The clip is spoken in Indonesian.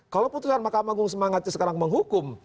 kalau putusan mahkamah agung semangatnya sekarang menghukum